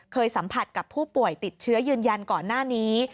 สัมผัสกับผู้ป่วยติดเชื้อยืนยันก่อนหน้านี้